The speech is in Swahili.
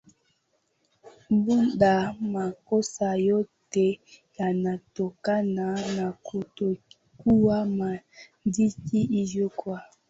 Buddha makosa yote yanatokana na kutokuwa makini Hivyo kwa